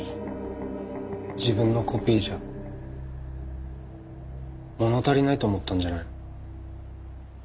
自分のコピーじゃ物足りないと思ったんじゃないの。